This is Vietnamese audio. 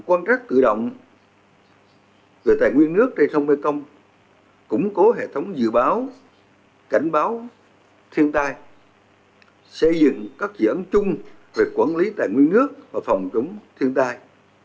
hệ thống sông mekong củng cố hệ thống dự báo cảnh báo thiên tai xây dựng các dự án chung về quản lý tài nguyên nước và phòng chống thiên tai